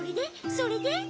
それで？